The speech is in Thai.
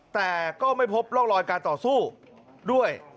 แต่ก็ไม่พบร่องรอยการต่อสู้ด้วย